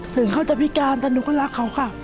ถึงเขาจะพิการแต่หนูก็รักเขาค่ะ